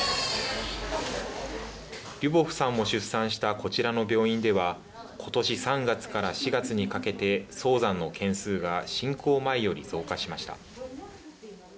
リュボフさんも出産したこちらの病院では今年３月から４月にかけて早産の件数が侵攻前より増加しました。